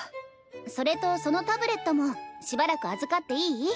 それとそのタブレットもしばらく預かっていい？